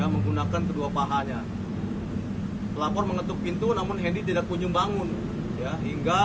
menggunakan kedua pahanya pelapor mengetuk pintu namun hendy tidak kunjung bangun ya hingga